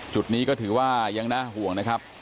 จุดนี้ก็ถือว่ายังน่าห่วงนะครับ